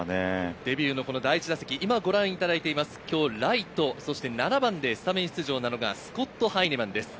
デビューの第１打席、今日ライト７番でスタメン出場なのがスコット・ハイネマンです。